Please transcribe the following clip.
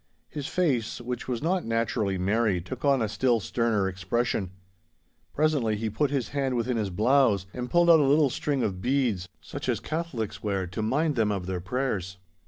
His face, which was not naturally merry, took on a still sterner expression. Presently he put his hand within his blouse and pulled out a little string of beads, such as Catholics wear to mind them of their prayers.